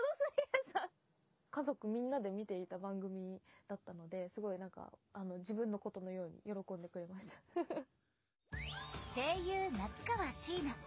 家族みんなで見ていた番組だったのですごいなんかあの声優夏川椎菜。